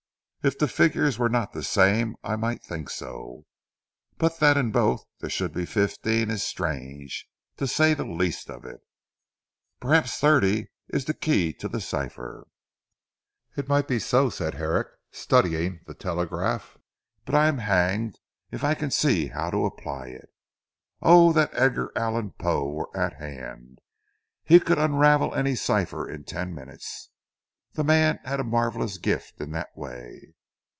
"If the figures were not the same I might think so. But that in both there should be fifteen is strange, to say the least of it." "Perhaps thirty is the key to the cipher." "It might be so," said Herrick studying the 'Telegraph,' "but I am hanged if I can see how to apply it. Oh, that Edgar Allen Poe were at hand! He could unravel any cipher in ten minutes. The man had a marvellous gift in that way."